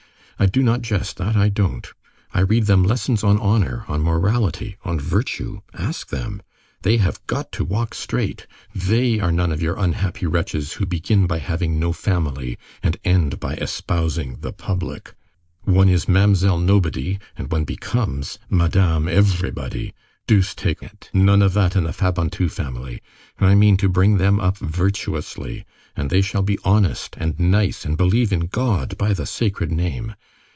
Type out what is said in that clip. I do not jest, that I don't! I read them lessons on honor, on morality, on virtue! Ask them! They have got to walk straight. They are none of your unhappy wretches who begin by having no family, and end by espousing the public. One is Mamselle Nobody, and one becomes Madame Everybody. Deuce take it! None of that in the Fabantou family! I mean to bring them up virtuously, and they shall be honest, and nice, and believe in God, by the sacred name!